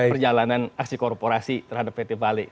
perjalanan aksi korporasi terhadap pt bali